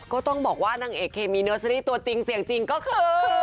ก็ต้องบอกว่านางเอกเคมีเนอร์เซอรี่ตัวจริงเสียงจริงก็คือ